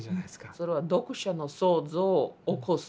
それは読者の想像を起こす。